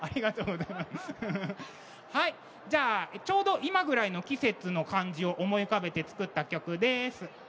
ちょうど今ぐらいの季節の感じを思い浮かべて作った曲です。